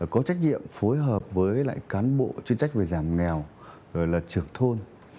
có trách nhiệm phối hợp với lại cán bộ chuyên trách về giảm nghèo rồi là trưởng thôn